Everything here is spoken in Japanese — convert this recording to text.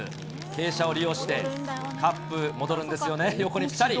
傾斜を利用して、カップ戻るんですよね、横にぴたり。